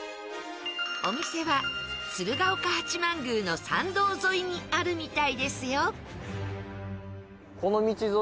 お店は鶴岡八幡宮の参道沿いにあるみたいですよ。